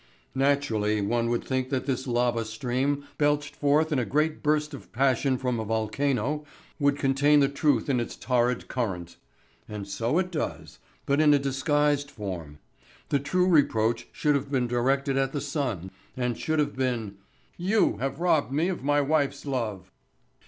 Naturally one would think that this lava stream belched forth in a great burst of passion from a volcano would contain the truth in its torrid current. And so it does, but in a disguised form. The true reproach should have been directed at the son, and should have been: "You have robbed me of my wife's love!"